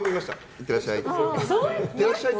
いってらっしゃいって。